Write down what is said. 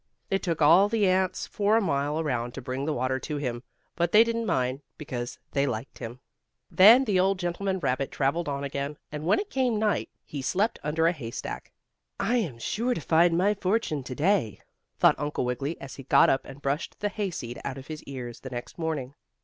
It took all the ants for a mile around to bring the water to him, but they didn't mind, because they liked him. Then the old gentleman rabbit traveled on again, and when it came night he slept under a haystack. "I am sure I'll find my fortune to day," thought Uncle Wiggily as he got up and brushed the hay seed out of his ears the next morning.